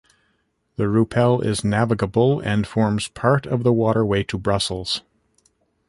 The Rupel is navigable, and forms part of the waterway to Brussels.